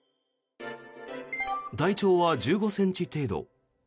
体長は１５ｃｍ程度。